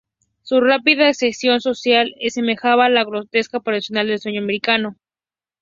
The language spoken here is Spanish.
Su rápida ascensión social se asemejaba a una grotesca parodia del sueño americano.